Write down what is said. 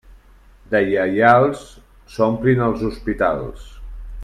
De lleials s'omplin els hospitals.